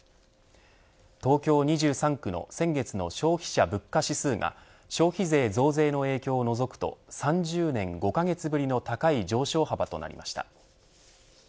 東京２３区の先月の消費者物価指数が消費税増税の影響を除くと３０年５カ月ぶりの高い上昇幅となりました。